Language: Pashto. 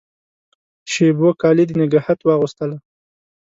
شېبو کالي د نګهت واغوستله